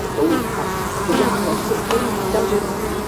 干元元年复改漳州。